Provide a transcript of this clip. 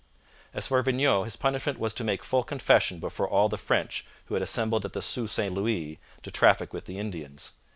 As for Vignau, his punishment was to make full confession before all the French who had assembled at the Sault St Louis to traffic with the Indians.